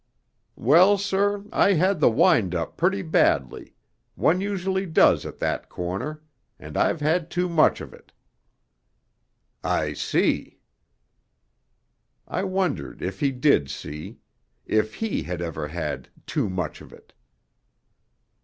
'Well, sir, I had the wind up pretty badly; one usually does at that corner and I've had too much of it.' 'I see.' I wondered if he did see if he had ever had 'too much of it.'